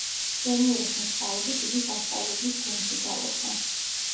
მშვენიერი ხმის წყალობით იგი სასწავლებლის გუნდში გალობდა.